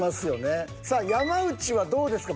山内はどうですか？